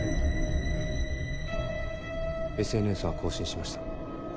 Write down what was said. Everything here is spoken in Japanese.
ＳＮＳは更新しました。